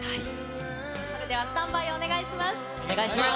それではスタンバイお願いしお願いします。